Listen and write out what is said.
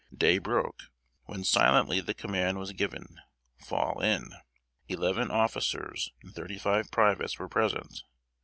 Day broke; when silently the command was given 'Fall in!' Eleven officers and thirty five privates were present.